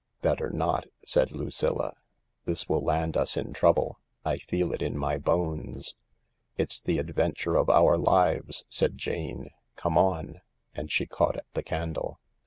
" Better not," said Lucilla. " This will land us in trouble. I feel it in my bones." "It's the adventure of our lives," said Jane. "Come on," and she caught at the candle.